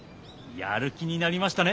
やる気になりましたね！